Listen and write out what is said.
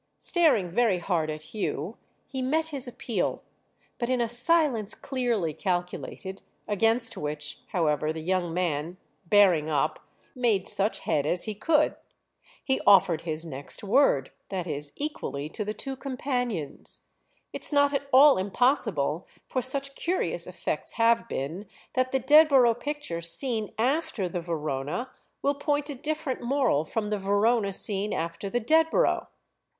Staring very hard at Hugh he met his appeal, but in a silence clearly calculated; against which, however, the young man, bearing up, made such head as he could. He offered his next word, that is, equally to the two companions. "It's not at all impossible—for such curious effects have been!—that the Dedborough picture seen after the Verona will point a different moral from the Verona seen after the Dedborough."